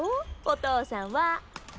お父さんは。